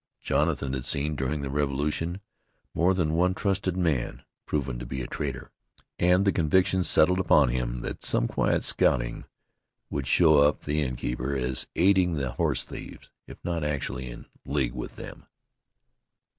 Jonathan had seen, during the Revolution, more than one trusted man proven to be a traitor, and the conviction settled upon him that some quiet scouting would show up the innkeeper as aiding the horse thieves if not actually in league with them.